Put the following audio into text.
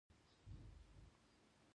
ما له د هغې دعا هر سه دي.